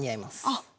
あっ。